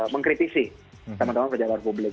mengkritisi teman teman pejabat publik